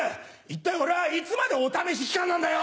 一体俺はいつまでお試し期間なんだよ！